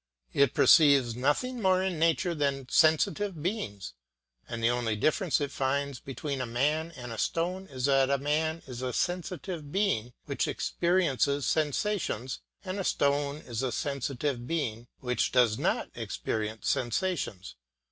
It perceives nothing more in nature than sensitive beings; and the only difference it finds between a man and a stone is that a man is a sensitive being which experiences sensations, and a stone is a sensitive being which does not experience sensations.